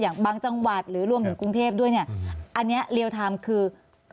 บางจังหวัดหรือรวมถึงกรุงเทพด้วยเนี่ยอันนี้เรียลไทม์คือ